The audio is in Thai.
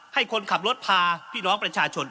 ให้คนขับรถพาพี่น้องประชาชน